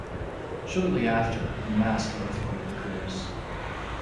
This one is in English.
Shortly after, a massive earthquake occurs.